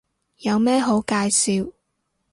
有咩好介紹